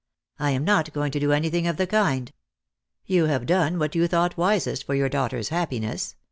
" I am not going to do anything of the kind. You have done what you thought wisest for your daughter's happiness.